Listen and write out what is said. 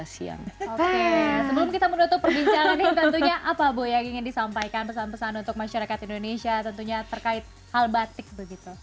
sebelum kita menutup perbincangan ini tentunya apa bu yang ingin disampaikan pesan pesan untuk masyarakat indonesia tentunya terkait hal batik begitu